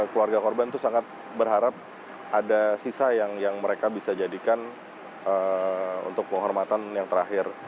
keluarga korban itu sangat berharap ada sisa yang mereka bisa jadikan untuk penghormatan yang terakhir